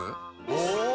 お！